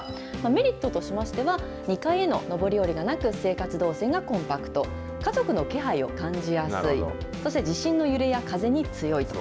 メリットとしましては、２階への上り下りがなく、生活動線がコンパクト、家族の気配を感じやすい、そして地震の揺れや風に強いと。